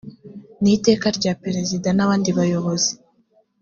n iteka rya perezida n abandi bayobozi